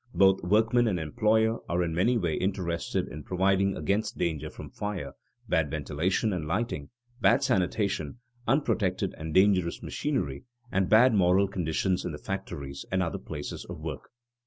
_ Both workman and employer are in many ways interested in providing against danger from fire, bad ventilation and lighting, bad sanitation, unprotected and dangerous machinery, and bad moral conditions in the factories and other places of work.